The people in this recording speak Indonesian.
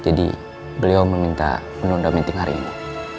jadi beliau meminta menunda meeting hari ini